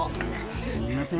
すみません。